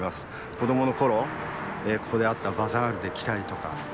子どもの頃ここであったバザールで来たりとか。